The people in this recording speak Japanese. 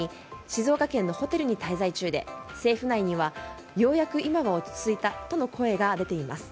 静岡県のホテルに滞在中で政府内にはようやく今は落ち着いたとの声が出ています。